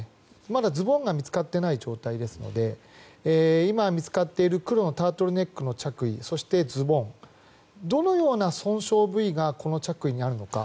まだズボンが見つかっていない状態ですので今、見つかっている黒のタートルネックの着衣そしてズボンどのような損傷部位がこの着衣にあるのか。